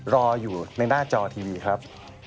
รออยู่ในหน้าจอทีวีครับ